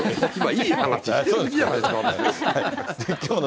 いい話してるんじゃないですか。